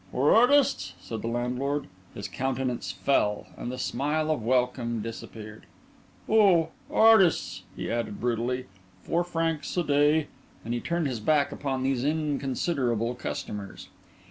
"For artists?" said the landlord. His countenance fell and the smile of welcome disappeared. "Oh, artists!" he added brutally; "four francs a day." And he turned his back upon these inconsiderable customers.